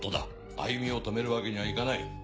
歩みを止めるわけにはいかない。